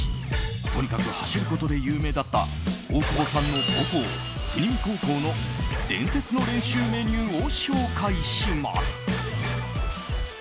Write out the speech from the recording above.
とにかく走ることで有名だった大久保さんの母校・国見高校の伝説の練習メニューを紹介します。